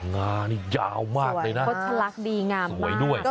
งานี่ยาวมากเลยนะสวยด้วย